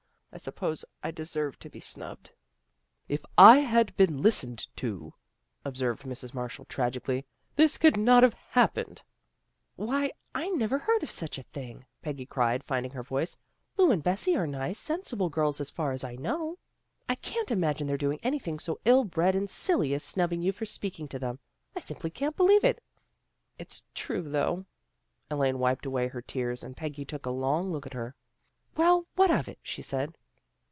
I suppose I deserved to be snubbed." " If I had been listened to," observed Mrs. Marshall tragically, " this could not have hap pened." " Why, I never heard of such a thing," Peggy cried, finding her voice. " Lu and Bessie are nice, sensible girls, as far as I know. I can't imagine their doing anything so ill bred and silly as snubbing you for speaking to them. I simply can't believe it." A REMARKABLE EVENING 291 " It's true, though." Elaine wiped away her tears and Peggy took a long look at her. " Well, what of it? " she said.